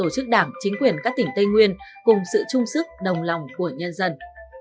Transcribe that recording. các tỉnh tây nguyên cùng sự chung sức đồng lòng của nhân dân